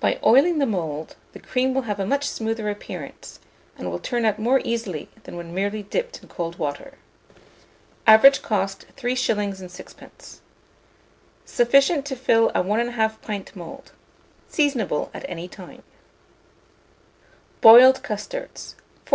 By oiling the mould, the cream will have a much smoother appearance, and will turn out more easily than when merely dipped in cold water. Average cost, 3s. 6d. Sufficient to fill a 1 1/2 pint mould. Seasonable at any time. BOILED CUSTARDS. 1423.